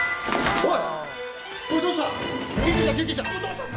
おい！